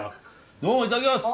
どうもいただきます。